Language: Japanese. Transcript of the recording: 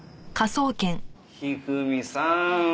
一二三さん。